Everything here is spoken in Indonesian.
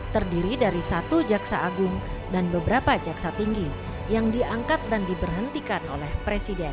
terdiri dari satu jaksa agung dan beberapa jaksa tinggi yang diangkat dan diberhentikan oleh presiden